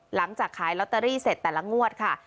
หลังจากขายลอตเตอรี่เสร็จแต่ละงวดค่ะ